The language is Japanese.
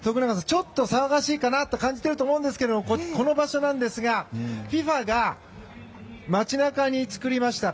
ちょっと騒がしいと感じていると思うんですがこの場所なんですがＦＩＦＡが街中に作りました